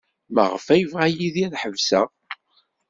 Maɣef ay yebɣa Yidir ad ḥebseɣ?